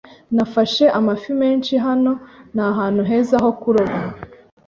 Nafashe amafi menshi hano. Ni ahantu heza ho kuroba.